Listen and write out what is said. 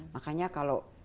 makanya kalau ada satu negara